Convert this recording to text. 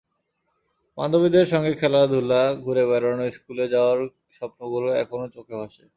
বান্ধবীদের সঙ্গে খেলাধুলা, ঘুরে বেড়ানো, স্কুলে যাওয়ার স্বপ্নগুলো এখনো চোখে ভাসে।